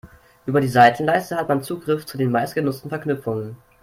Über die Seitenleiste hat man Zugriff zu den meistgenutzten Verknüpfungen.